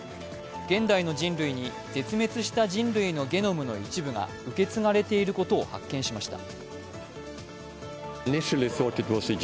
現代の人類に、絶滅した人類のゲノムの一部が受け継がれていることを発見しました。